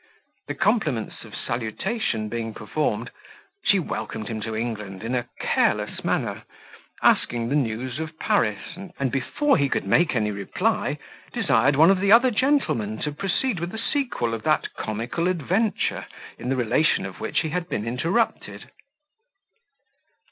The compliments of salutation being performed, she welcomed him to England in a careless manner, asked the news of Paris, and, before he could make any reply, desired one of the other gentlemen to proceed with the sequel of that comical adventure, in the relation of which he had been interrupted.